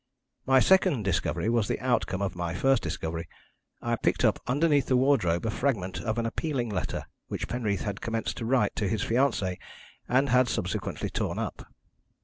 My second discovery was the outcome of my first discovery I picked up underneath the wardrobe a fragment of an appealing letter which Penreath had commenced to write to his fiancée, and had subsequently torn up.